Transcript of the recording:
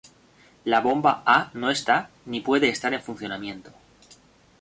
La bomba A no está, ni puede estar en funcionamiento.